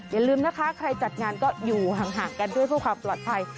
อย่าลืมนะคะใครจัดงานก็อยู่ห่างกันด้วยเพื่อความปลอดภัย